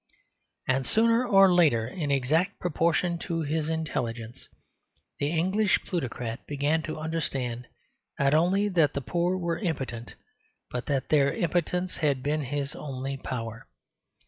And sooner or later, in exact proportion to his intelligence, the English plutocrat began to understand not only that the poor were impotent, but that their impotence had been his only power.